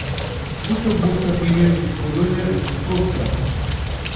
Muchas morsas viven en colonias en sus costas.